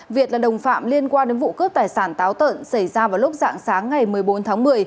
việt là đồng phạm liên quan đến vụ cướp tài sản táo tợn xảy ra vào lúc dạng sáng ngày một mươi bốn tháng một mươi